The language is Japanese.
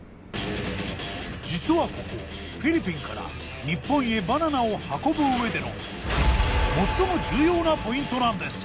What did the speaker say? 実はここフィリピンから日本へバナナを運ぶ上での最も重要なポイントなんです。